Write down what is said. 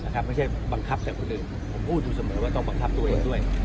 ไม่ใช่บังคับแต่คนอื่นผมพูดอยู่เสมอว่าต้องบังคับตัวเองด้วย